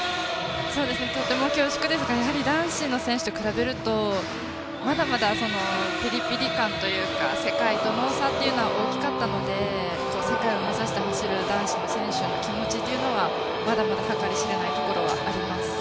とても恐縮ですが男子の選手と比べるとまだまだピリピリ感というか世界との差というのは大きかったので世界を目指して走る男子の選手の気持ちはまだまだ計り知れないところはあります。